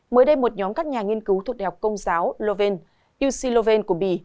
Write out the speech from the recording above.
mới đây một nhóm các nhà nghiên cứu thuộc đại học công giáo loven uc loven của bì